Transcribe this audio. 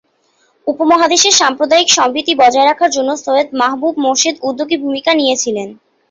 উপমহাদেশে সাম্প্রদায়িক সম্প্রীতি বজায় রাখার জন্য সৈয়দ মাহবুব মোর্শেদ উদ্যোগী ভূমিকা নিয়েছিলেন।